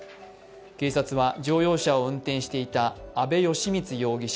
警察は乗用車を運転していた阿部資満容疑者